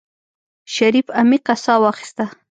شريف عميقه سا واخيسته.